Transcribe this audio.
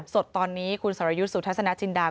สดตอนนี้คุณสรยุทธ์สุทัศนาจินดา